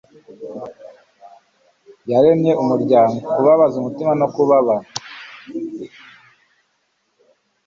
yaremye umuryango, kubabaza umutima no kubabara